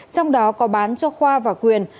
trong đó có bán cho khoa và quyền